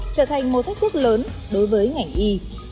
trở thành một thách thức lớn đối với ngành y